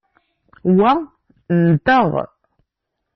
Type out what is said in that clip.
Wa nteɣ.